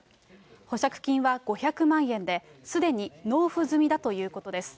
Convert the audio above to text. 保釈金は５００万円で、すでに納付済みだということです。